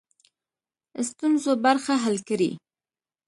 ستونزو برخه حل کړي.